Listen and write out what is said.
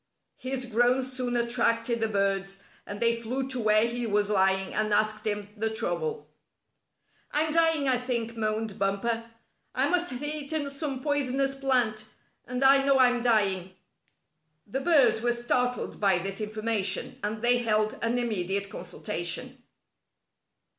His groans soon attracted the birds, and they flew to where he was lying and asked him the trouble. "I'm dying, I think," moaned Bumper. "I must have eaten some poisonous plant, and I know I'm dying." The birds were startled by this information, and they held an immediate consultation.